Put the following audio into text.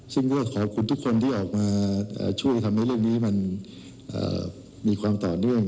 ซึ่งก็ขอบคุณทุกคนที่ออกมาช่วยทำให้เรื่องนี้มันมีความต่อเนื่อง